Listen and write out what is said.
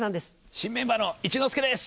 新メンバーの一之輔です。